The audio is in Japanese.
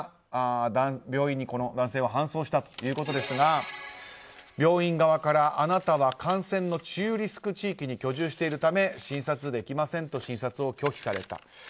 病院に搬送したということですが病院側からはあなたは感染の中リスク地域に居住しているため診察できませんと診察を拒否された。